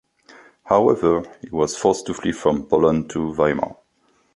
However, he was forced to flee from Poland to Weimar.